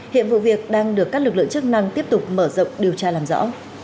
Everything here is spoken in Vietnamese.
hiện vụ việc đang được các lực lượng chức năng tiếp tục mở rộng điều tra làm rõ